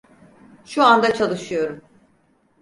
Şu anda çalışıyorum.